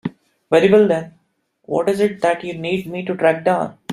Very well then, what is it that you need me to track down?